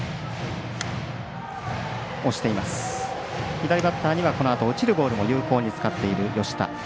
左バッターには、このあと落ちるボールも有効に使っている吉田。